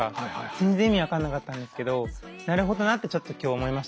全然意味分かんなかったんですけどなるほどなってちょっと今日思いました。